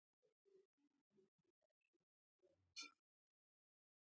نفرونونه وینه چاڼوي.